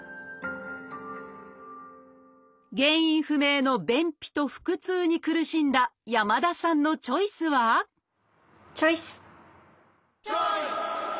原因不明の便秘と腹痛に苦しんだ山田さんのチョイスはチョイス！